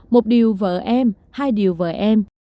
một điều vợ em hai điều vợ em